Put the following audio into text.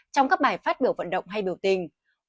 trong các bài phát biểu vận động hay biểu tình